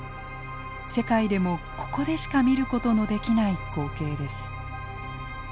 世界でもここでしか見ることのできない光景です。